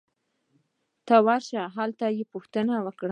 ته ورشه ! هلته یې پوښتنه وکړه